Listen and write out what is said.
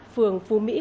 phường phù mỹ